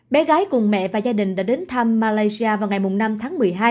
bé gái cùng mẹ và gia đình đã đến thăm malaysia vào ngày năm tháng một mươi hai